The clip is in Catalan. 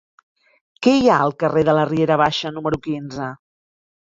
Què hi ha al carrer de la Riera Baixa número quinze?